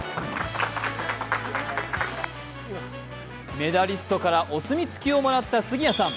メダリストからお墨付きをもらった杉谷さん。